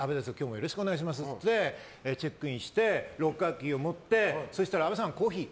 よろしくお願いしますとチェックインしてロッカーキーを持ってそしたら、阿部さんコーヒー。